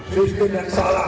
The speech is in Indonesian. sistem yang salah